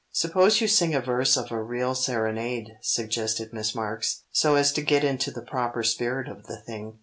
"Suppose you sing a verse of a real serenade," suggested Miss Marks, "so as to get into the proper spirit of the thing.